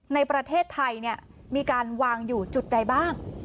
ในประเทศไทยมีการวางอยู่จุดใดบ้าง